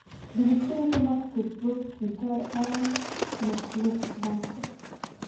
د روسيې حکومت فیسبوک، ټویټر او نیټفلکس بند کړل.